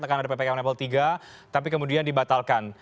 akan ada ppkm level tiga tapi kemudian dibatalkan